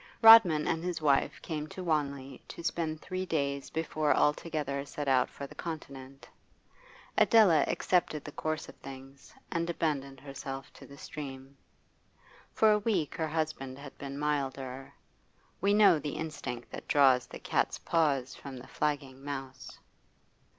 Rodman and his wife came to Wanley to spend three days before all together set out for the Continent. Adela accepted the course of things, and abandoned herself to the stream. For a week her husband had been milder; we know the instinct that draws the cat's paws from the flagging mouse.